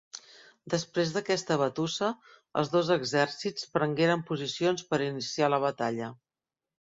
Després d'aquesta batussa, els dos exèrcits prengueren posicions per iniciar la batalla.